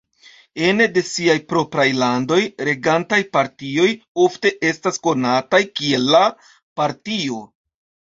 Ene de siaj propraj landoj, regantaj partioj ofte estas konataj kiel "la Partio".